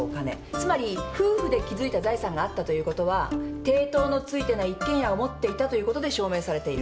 つまり夫婦で築いた財産があったということは抵当のついてない一軒家を持っていたということで証明されている。